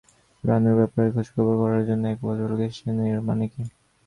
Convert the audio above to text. রানুর ব্যাপারে খোঁজখবর করার জন্যে এক ভদ্রলোক এসেছেন-এর মানে কী?